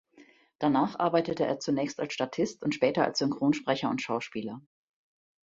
Danach arbeitete er zunächst als Statist und später als Synchronsprecher und Schauspieler.